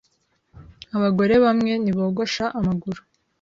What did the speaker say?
Abagore bamwe ntibogosha amaguru.